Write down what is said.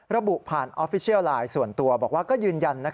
ระบุผ่านออฟฟิเชียลไลน์ส่วนตัวบอกว่าก็ยืนยัน